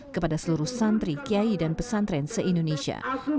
kepada seluruh santri kiai dan pesantren se indonesia